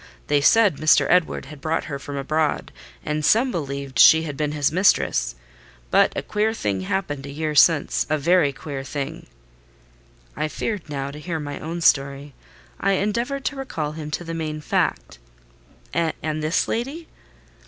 They said Mr. Edward had brought her from abroad, and some believed she had been his mistress. But a queer thing happened a year since—a very queer thing." I feared now to hear my own story. I endeavoured to recall him to the main fact. "And this lady?"